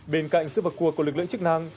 bên cạnh sự vật cuộc của lực lượng chức năng